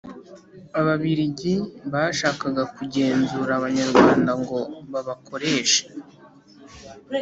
ababiligi bashakaga kugenzura abanyarwanda ngo babakoreshe